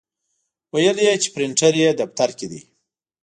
ویل یې چې پرنټر یې دفتر کې دی.